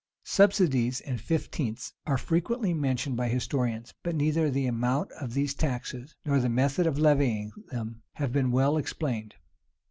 Subsidies and fifteenths are frequently mentioned by historians; but neither the amount of these taxes, nor the method of levying them, have been well explained.